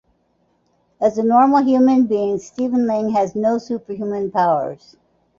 As a normal human being Stephen Lang had no superhuman powers.